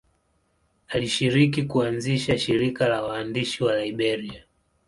Alishiriki kuanzisha shirika la waandishi wa Liberia.